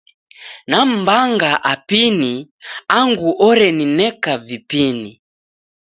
Nam'mbanga Apini angu oren'neka vipini.